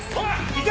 行け！